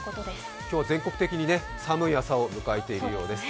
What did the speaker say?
今日は全国的に寒い朝を迎えているようです。